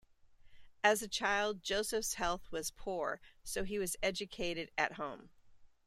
As a child, Joseph's health was poor, so he was educated at home.